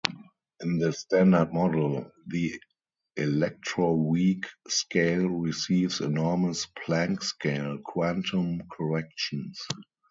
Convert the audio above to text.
In the Standard Model, the electroweak scale receives enormous Planck-scale quantum corrections.